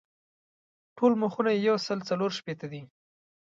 ټول مخونه یې یو سل څلور شپېته دي.